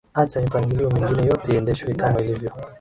acha mipangilio mingine yote iendeshwe kama ilivyo